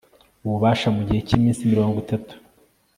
ububasha mu gihe cy iminsi mirongo itatu